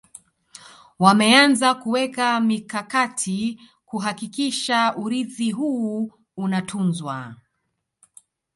wameanza kuweka mikakati kuhakikisha urithi huu unatunzwa